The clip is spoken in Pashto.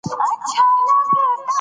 ټولنیز جوړښت د خلکو په اړیکو ولاړ وي.